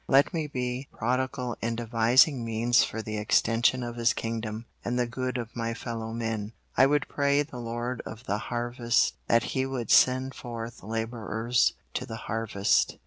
Let me be prodigal in devising means for the extension of His kingdom and the good of my fellow men. I would pray the Lord of the harvest that He would send forth laborers to the harvest.